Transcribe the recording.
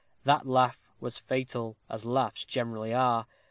That laugh was fatal, as laughs generally are.